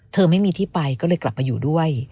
ไม่มีที่ไปก็เลยกลับมาอยู่ด้วย